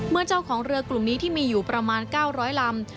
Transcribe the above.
เจ้าของเรือกลุ่มนี้ที่มีอยู่ประมาณ๙๐๐ลำ